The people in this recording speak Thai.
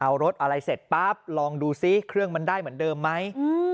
เอารถอะไรเสร็จปั๊บลองดูซิเครื่องมันได้เหมือนเดิมไหม